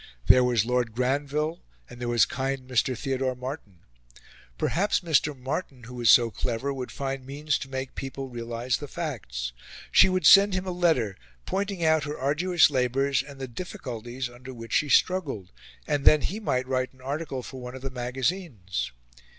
There was Lord Granville, and there was kind Mr. Theodore Martin. Perhaps Mr. Martin, who was so clever, would find means to make people realise the facts. She would send him a letter, pointing out her arduous labours and the difficulties under which she struggled, and then he might write an article for one of the magazines.